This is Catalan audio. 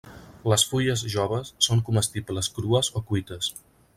Les fulles joves són comestibles crues o cuites.